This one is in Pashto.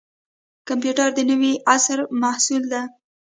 کمپیوټر د نوي عصر محصول دی